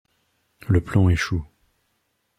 Le plan échoue.